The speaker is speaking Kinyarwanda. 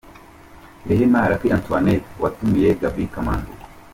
Rehema Lucky Antoinette watumiye Gaby Kamanzi.